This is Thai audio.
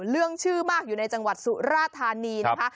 เรื่องชื่อมากอยู่ในจังหวัดสุราธานีนะคะ